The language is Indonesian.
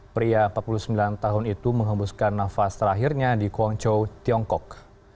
pria empat puluh sembilan tahun itu menghembuskan nafas terakhirnya di guangzhou tiongkok